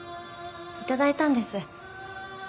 頂いたんです。